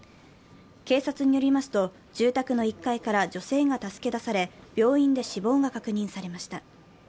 警察によりますと住宅の１階から女性が助け出され病院で死亡が確認されました。